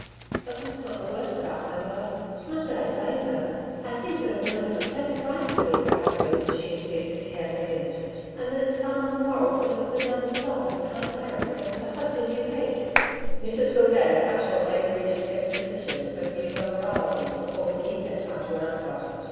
But that's not the worst about my mother. Not that I blame her. I think that a woman has a perfect right to leave her husband if she has ceased to care for him, and that it's far more moral to live with a man you love and can't marry, than with a husband you hate.' Mrs Gildea cut short Lady Bridget's exposition of her views on morality before McKeith had time to answer.